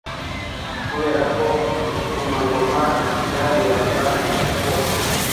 Kubera ko ibikomangoma byarebaga ukuboko